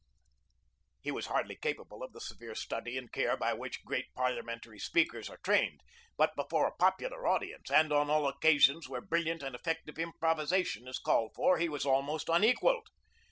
He was hardly capable of the severe study and care by which great parliamentary speakers are trained; but before a popular audience, and on all occasions where brilliant and effective improvisation was called for, he was almost unequaled.